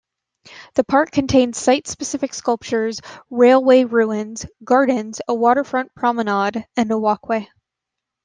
The park contains site-specific sculptures, railway ruins, gardens, a waterfront promenade, and a walkway.